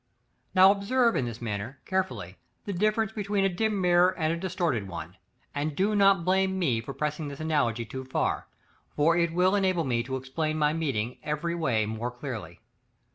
§ LXI. Now, observe in this matter, carefully, the difference between a dim mirror and a distorted one; and do not blame me for pressing the analogy too far, for it will enable me to explain my meaning every way more clearly.